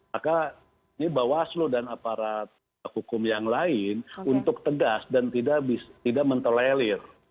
maka ini bawa aslo dan aparat hukum yang lain untuk tegas dan tidak mentelelir